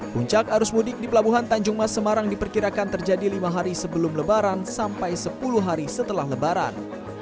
puncak arus mudik di pelabuhan tanjung mas semarang diperkirakan terjadi lima hari sebelum lebaran sampai sepuluh hari setelah lebaran